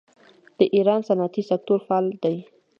د ایران صنعتي سکتور فعال دی.